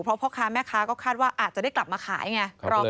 เพราะพ่อค้าแม่ค้าก็คาดว่าอาจจะได้กลับมาขายไง